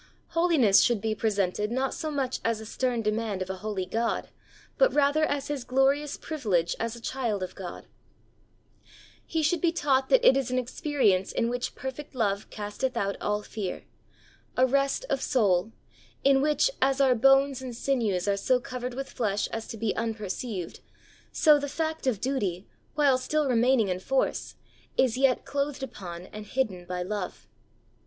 Holiness should be presented not so much as a stern demand of a holy God, but rather as his glorious privilege as a child of God. SAVING TRUTH. 113 He should be taught that it is an experi ence in which "perfect love casteth out all fear" — a rest of soul, in which as our bones and sinews are so covered with flesh as to be nnperceived, so the fact of duty, while still remaining in force, is yet clothed upon and hidden by love.